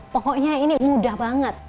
pokoknya ini mudah banget